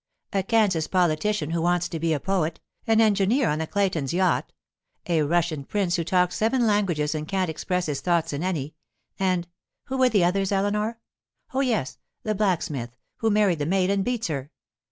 A Kansas politician who wants to be a poet, an engineer on the Claytons' yacht, a Russian prince who talks seven languages and can't express his thoughts in any, and—who were the others, Eleanor? Oh, yes! the blacksmith who married the maid and beats her.